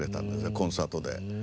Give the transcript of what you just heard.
コンサートで。